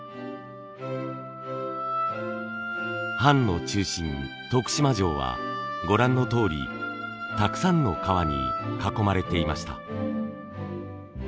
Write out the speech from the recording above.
藩の中心徳島城はご覧のとおりたくさんの川に囲まれていました。